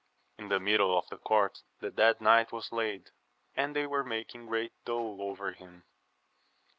In the middle of the court the dead knight was laid, and they were making great dole over him.